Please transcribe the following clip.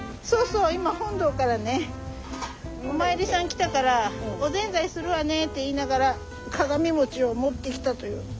そうそう今本堂からねお参りさん来たから「おぜんざいするわね」って言いながら鏡餅を持ってきたという。